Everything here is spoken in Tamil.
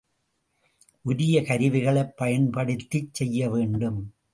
உரிய கருவிகளைப் பயன்படுத்திச் செய்யவேண்டும்.